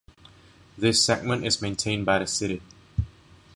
This segment is maintained by the city.